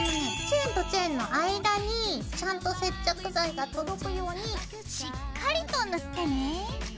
チェーンとチェーンの間にちゃんと接着剤が届くようにしっかりと塗ってね。